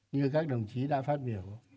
như các đồng chí đã phát biểu